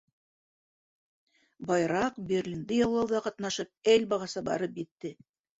Байраҡ Берлинды яулауҙа ҡатнашып, Эльбағаса барып етте.